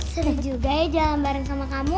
sudah juga ya jalan bareng sama kamu